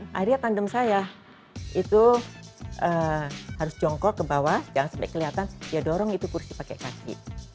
akhirnya tandem saya itu harus jongkok ke bawah jangan sampai kelihatan ya dorong itu kursi pakai kaki